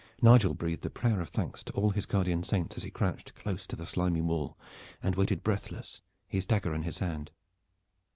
Nigel breathed a prayer of thanks to all his guardian saints as he crouched close to the slimy wall and waited breathless, his dagger in his hand.